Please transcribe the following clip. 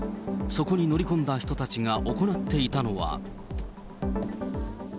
そこに乗り込んだ人たちが行っていたのは。